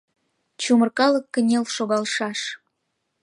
Чумыр калык кынел шогалшаш.